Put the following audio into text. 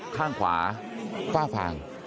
ข้างขวาฝ้าฟาง